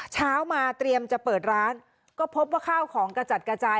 เช้ามาเตรียมจะเปิดร้านก็พบว่าข้าวของกระจัดกระจาย